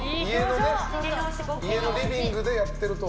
家のリビングでやっていると。